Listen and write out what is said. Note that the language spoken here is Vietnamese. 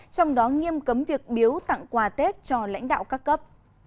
trong đó nghiêm cấm việc biếu tặng quà tết cho lãnh đạo các cấp